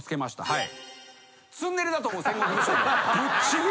はい。